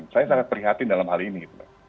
saya sangat prihatin dalam hal ini gitu mbak